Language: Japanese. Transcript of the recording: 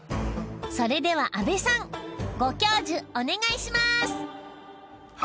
それではあべさんご教授お願いしまーす！